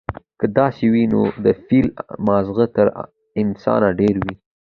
که داسې وي، نو د فيل ماغزه تر انسانه ډېر وي،